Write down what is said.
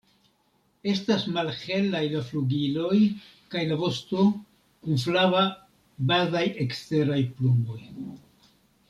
Estas malhelaj la flugiloj kaj la vosto kun flava bazaj eksteraj plumoj.